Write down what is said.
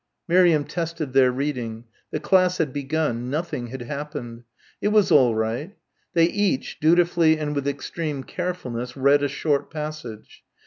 Miriam tested their reading. The class had begun. Nothing had happened. It was all right. They each, dutifully and with extreme carefulness read a short passage.